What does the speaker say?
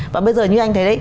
và bây giờ như anh thấy đấy